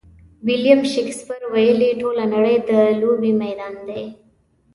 ویلیم شکسپیر ویلي: ټوله نړۍ د لوبې میدان دی.